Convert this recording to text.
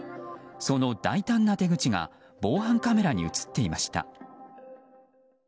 その大胆な手口が防犯カメラに映っていました。